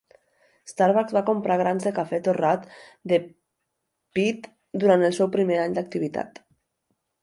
Starbucks va comprar grans de cafè torrat de Peet durant el seu primer any d'activitat.